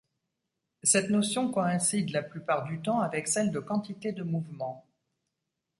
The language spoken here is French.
Cette notion coïncide la plupart du temps avec celle de quantité de mouvement.